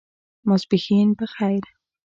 ماسپښېن په خیر !